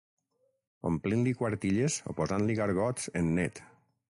Omplint-li quartilles o posant-li gargots en net